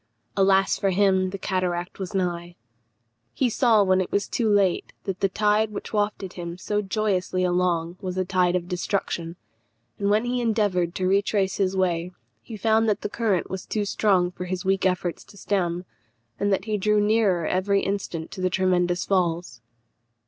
Alas for him! the cataract was nigh. He saw, when it was too late, that the tide which wafted him so joyously along was a tide of destruction; and when he endeavoured to retrace his way, he found that the current was too strong for his weak efforts to stem, and that he drew nearer every instant to the tremendous falls.